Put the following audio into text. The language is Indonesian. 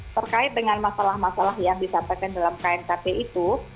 terkait dengan masalah masalah yang disampaikan dalam knkt itu